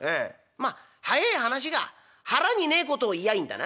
まあ早え話が腹にねえことを言やいいんだな？」。